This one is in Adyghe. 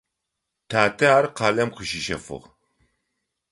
Татэ ар къалэм къыщищэфыгъ.